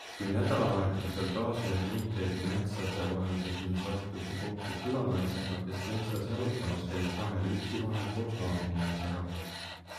Kui nädalavahetusel taas ühe ringkäigu metsade vahel tegin, sattusin kokku külanaisega, kes metsas jalutamas käib, vahel üksi, vahel koos naabrinaisega.